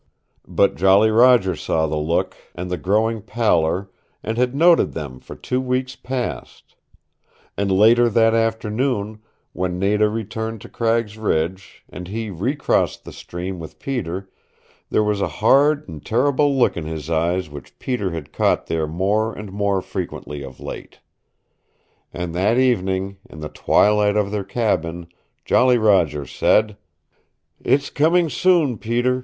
But Jolly Roger saw the look, and the growing pallor, and had noted them for two weeks past. And later that afternoon, when Nada returned to Cragg's Ridge, and he re crossed the stream with Peter, there was a hard and terrible look in his eyes which Peter had caught there more and more frequently of late. And that evening, in the twilight of their cabin, Jolly Roger said, "It's coming soon, Peter.